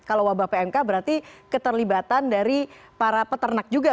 kalau wabah pmk berarti keterlibatan dari para peternak juga